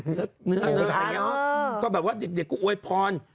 เนื้อเนื้อเนื้อก็แบบว่าเด็กเด็กกูโวยพร